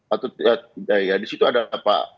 atau tidak ya di situ ada pak